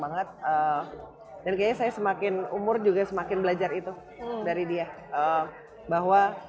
banget dan kayaknya saya semakin umur juga semakin belajar itu dari dia bahwa